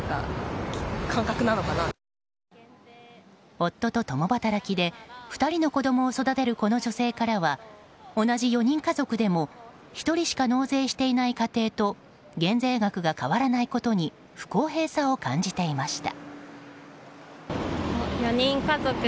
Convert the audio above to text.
夫と共働きで２人の子供を育てるこの女性からは同じ４人家族でも１人しか納税していない家庭と減税額が変わらないことに不公平さを感じていました。